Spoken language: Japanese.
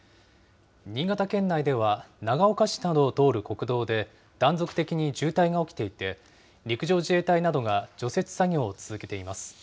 新潟県内では、長岡市などを通る国道で、断続的に渋滞が起きていて、陸上自衛隊などが除雪作業を続けています。